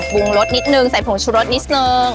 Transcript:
ปรุงรสนิดนึงใส่ผงชุรสนิดนึง